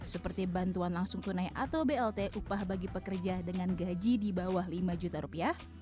seperti bantuan langsung tunai atau blt upah bagi pekerja dengan gaji di bawah lima juta rupiah